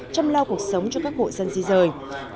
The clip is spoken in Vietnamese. chăm lau cuộc sống cho các hội dân di rời